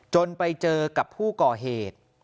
ไปเจอกับผู้ก่อเหตุ